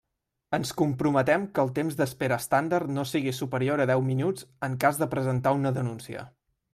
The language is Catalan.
Ens comprometem que el temps d'espera “estàndard” no sigui superior a deu minuts en cas de presentar una denúncia.